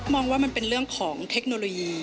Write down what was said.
มองว่ามันเป็นเรื่องของเทคโนโลยี